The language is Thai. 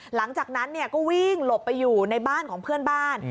หลังจากนั้นก็วิ่งหลบไปอยู่ในบ้านของเพื่อนบ้าน